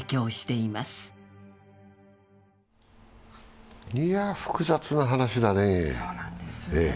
いや、複雑な話だね。